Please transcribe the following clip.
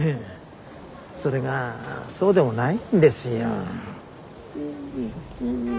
それがそうでもないんですよ。